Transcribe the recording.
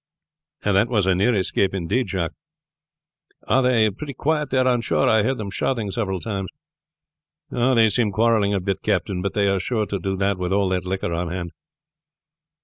"That was a near escape indeed, Jacques. Are they pretty quiet there on shore? I heard them shouting several times." "They seem quarreling a bit, captain; but they are sure to do that with all that liquor on hand."